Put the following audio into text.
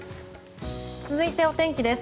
続いて、お天気です。